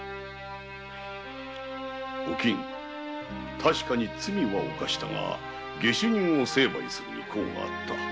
確かに罪は犯したが下手人を成敗するに功があった。